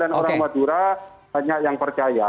dan orang madura banyak yang percaya